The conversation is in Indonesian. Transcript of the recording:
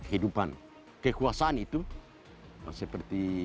kehidupan kekuasaan itu seperti